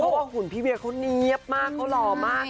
ทั้งหุ่นพี่เวียเขาเนี๊ยบมากเขาหล่อมากนะคะ